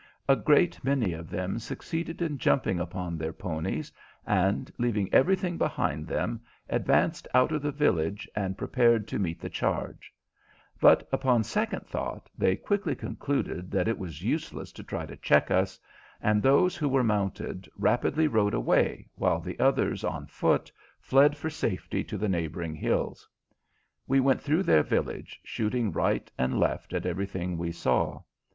A great many of them succeeded in jumping upon their ponies and, leaving everything behind them, advanced out of the village and prepared to meet the charge; but, upon second thought, they quickly concluded that it was useless to try to check us, and those who were mounted rapidly rode away, while the others on foot fled for safety to the neighboring hills. We went through their village, shooting right and left at everything we saw.